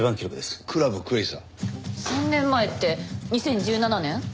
３年前って２０１７年？